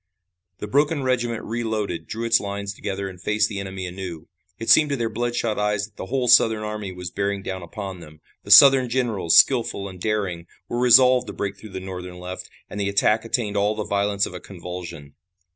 The broken regiment reloaded, drew its lines together and faced the enemy anew. It seemed to their bloodshot eyes that the whole Southern army was bearing down upon them. The Southern generals, skillful and daring, were resolved to break through the Northern left, and the attack attained all the violence of a convulsion.